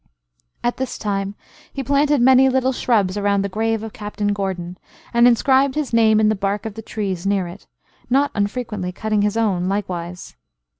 At this time, he planted many little shrubs around the grave of Captain Gordon, and inscribed his name in the bark of the trees near it, not unfrequently cutting his own likewise.